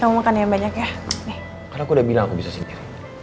aku mampus dimangganti kamu tylko ada aku sendiri